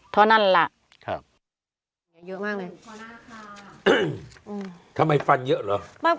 เท่านั้นแหละครับเยอะมากเลยอืมอืมทำไมฟันเยอะเหรอ